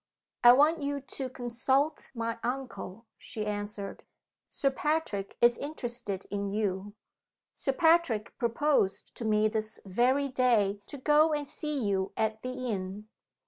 "I want you to consult my uncle," she answered. "Sir Patrick is interested in you; Sir Patrick proposed to me this very day to go and see you at the inn.